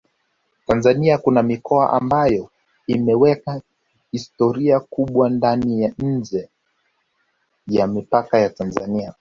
Tanzania kuna mikoa ambayo imeweka historia kubwa ndani na nje ya mipaka ya Tanzania